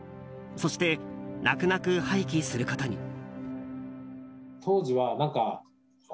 そして、泣く泣く廃棄することに。